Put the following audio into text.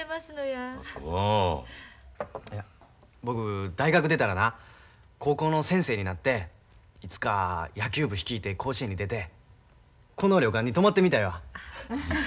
僕大学出たらな高校の先生になっていつか野球部率いて甲子園に出てこの旅館に泊まってみたいわ。